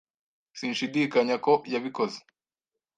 Sinshidikanya ko yabikoze.